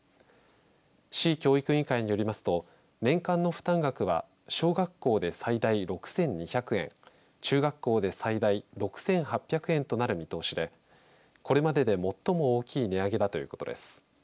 市教育委員会によりますと年間の負担額は小学校で最大６２００円中学校で最大６８００円となる見通しでこれまでで最も大きい値上げだということです。